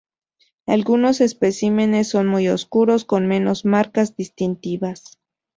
Algunos especímenes son muy oscuros, con menos marcas distintivas.